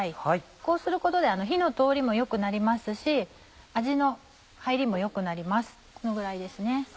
こうすることで火の通りも良くなりますし味の入りも良くなりますこのぐらいですね。